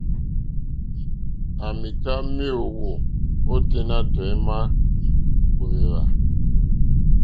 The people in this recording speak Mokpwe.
À mìká méèwó óténá tɔ̀ímá kòwèwà.